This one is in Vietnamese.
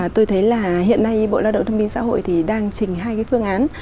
tôi thấy là hiện nay bộ lao động thương minh xã hội thì đang trình hai cái phương án